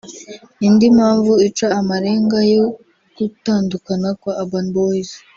Indi mpamvu ica amarenga yo gutandukana kwa Urban Boys